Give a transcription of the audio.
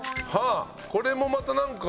これもまたなんか。